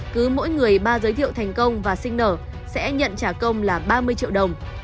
cứ mỗi người ba giới thiệu thành công và sinh nở sẽ nhận trả công là ba mươi triệu đồng